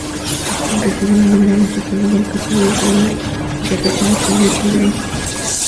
Jackman recibe la ayuda de la psicóloga Katherine Reimer, interpretada por Michelle Ryan.